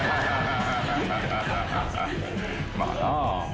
まあな。